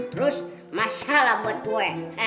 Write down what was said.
terus masalah buat gue